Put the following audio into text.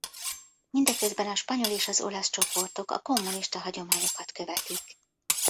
Mindeközben a spanyol és az olasz csoportok a kommunista hagyományokat követik.